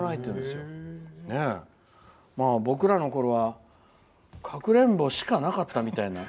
僕らのころはかくれんぼしかなかったみたいな。